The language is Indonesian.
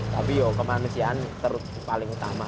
tapi ya kemanusiaan terutama